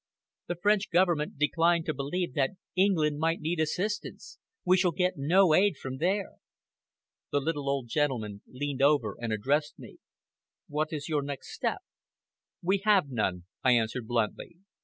The French government declined to believe that England might need assistance. We shall get no aid from there." The little old gentleman leaned over and addressed me. "What is your next step?" "We have none," I answered bluntly.